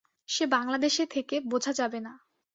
সে বাংলাদেশে থেকে বোঝা যাবে না।